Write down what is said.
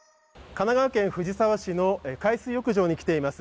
神奈川県藤沢市の海水浴場に来ています。